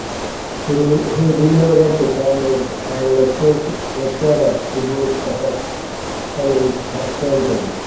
He relocated to Cambridge and lectured at Sidney Sussex College, Cambridge.